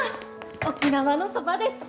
沖縄のそばです。